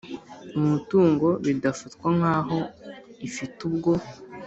umutungo bidafatwa nk aho ifite ubwo